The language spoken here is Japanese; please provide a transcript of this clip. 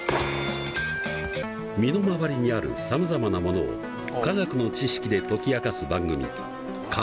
身の回りにあるさまざまなものを化学の知識で解き明かす番組「化学基礎」。